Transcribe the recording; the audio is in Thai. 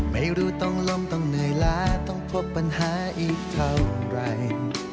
ไม่รู้ต้องล้มต้องเหนื่อยล้าต้องพบปัญหาอีกเท่าไร